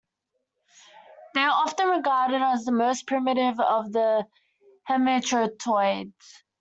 They are often regarded as the most primitive of the hemipteroids.